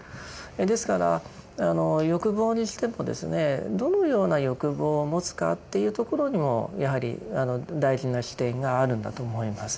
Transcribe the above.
ですから欲望にしてもですねどのような欲望を持つかというところにもやはり大事な視点があるんだと思います。